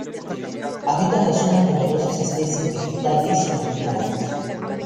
Habitan la zona numerosas especies vegetales y animales.